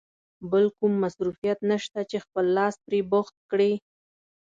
بل کوم مصروفیت نشته چې خپل لاس پرې بوخت کړې.